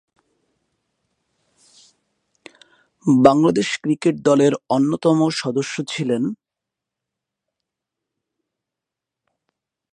Bangladesh cricket দলের অন্যতম সদস্য ছিলেন।